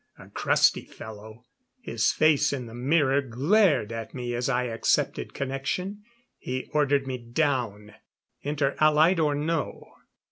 A crusty fellow. His face in the mirror glared at me as I accepted connection. He ordered me down, Inter Allied or no.